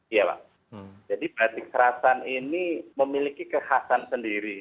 iya pak jadi batik serasan ini memiliki kekhasan sendiri